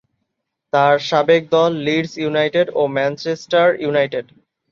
তার সাবেক দল লিডস ইউনাইটেড ও ম্যানচেস্টার ইউনাইটেড।